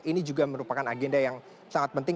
ini juga merupakan agenda yang sangat penting